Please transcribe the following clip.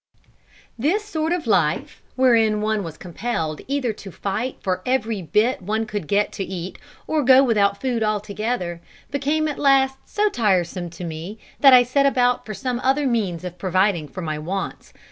This sort of life, wherein one was compelled either to fight for every bit one could get to eat or go without food altogether, became at last so tiresome to me that I set about for some other means of providing for my wants.